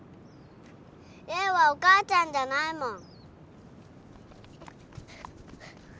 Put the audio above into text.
レイはお母ちゃんじゃないもん。